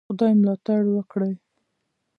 خدای ملاتړ وکړی.